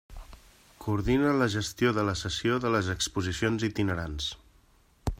Coordina la gestió de la cessió de les exposicions itinerants.